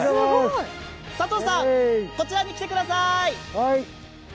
佐藤さん、こちらに来てください。